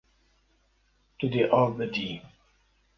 Tu dê av bidî.